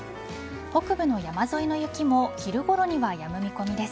北部の山沿いの雪も昼ごろにはやむ見込みです。